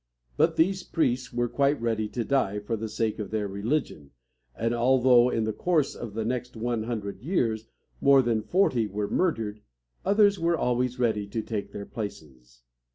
But these priests were quite ready to die for the sake of their religion, and although in the course of the next one hundred years more than forty were murdered, others were always ready to take their places.